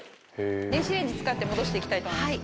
電子レンジ使って戻していきたいと思います。